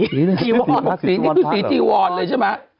สีนี่คือสีจีวอนเลยใช่มะ